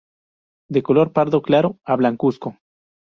De color pardo claro a blancuzco.